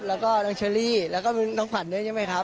แล้วก็น้องเชอรี่แล้วก็น้องขวัญด้วยใช่ไหมครับ